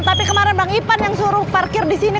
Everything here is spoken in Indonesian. tapi kemarah bang ipan yang suruh parkir disini